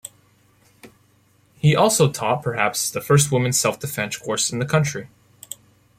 He also taught perhaps the first women's self-defense course in the country.